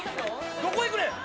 どこ行くねん！